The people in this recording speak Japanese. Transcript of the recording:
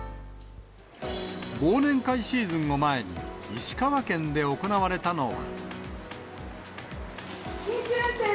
忘年会シーズンを前に石川県で行われたのは。